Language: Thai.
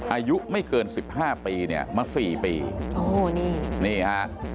อายุไม่เกินสิบห้าปีเนี่ยมาสี่ปีโอ้นี่นี่ฮะ